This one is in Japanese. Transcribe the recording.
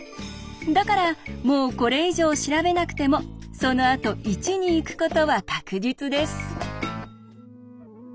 だからもうこれ以上調べなくてもそのあと１に行くことは確実です。